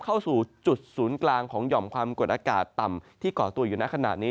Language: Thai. เข้าสู่จุดศูนย์กลางของหย่อมความกดอากาศต่ำที่ก่อตัวอยู่ในขณะนี้